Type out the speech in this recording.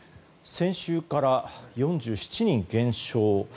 先週から４７人減少。